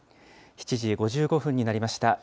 ７時５５分になりました。